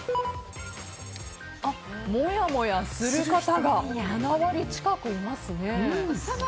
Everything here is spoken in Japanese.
もやもやする方が７割近くいますね。